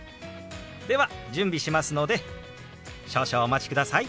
では準備しますので少々お待ちください。